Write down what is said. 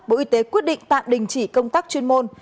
bộ y tế quyết định tạm đình chỉ công tác chuyên môn